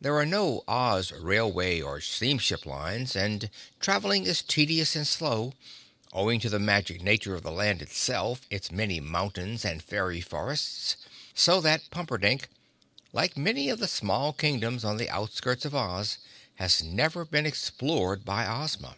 There are no Oz railway or steamship lines and traveling is tedious and slow, owing to the magic nature of the land itself, its many mountains and fairy forests, so that Pumperdink, like many of the small Kingdoms on the outskirts of Oz, has never been explored by Ozma.